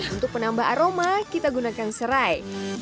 untuk penambah aroma kita gunakan serai